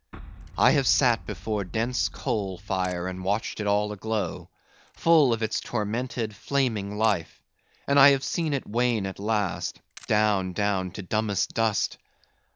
"I have sat before the dense coal fire and watched it all aglow, full of its tormented flaming life; and I have seen it wane at last, down, down, to dumbest dust.